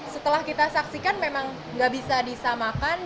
setelah kita saksikan memang nggak bisa disamakan